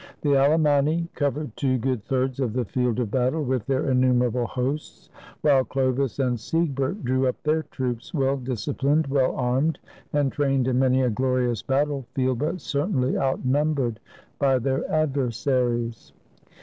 The Alemanni covered two good thirds of the field of battle with their innumerable hosts, whilst Chlovis and Siegbert drew up their troops, well disciphned, well armed, and trained in many a glorious battle field, but certainly outnumbered by their adversaries.